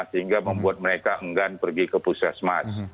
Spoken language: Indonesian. sehingga membuat mereka enggan pergi ke puskesmas